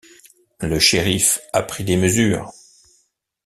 Le shériff a pris des mesures.